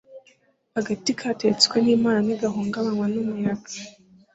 agati gateretswe n'imana ntigahungabanywa n'umuyaga